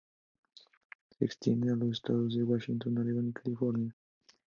Se extiende a los estados de Washington, Oregón y California.